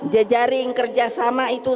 jejaring kerjasama itu